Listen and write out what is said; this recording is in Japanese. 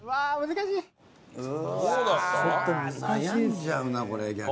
悩んじゃうなこれ逆に。